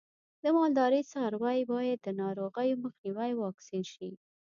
د مالدارۍ څاروی باید د ناروغیو مخنیوي واکسین شي.